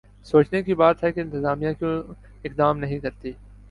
سوچنے کی بات ہے کہ انتظامیہ کیوں اقدام نہیں کرتی؟